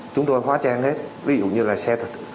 chúng tôi hóa trang hết ví dụ như là xe thực